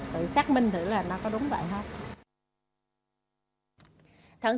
để xác minh thử là nó có đúng vậy không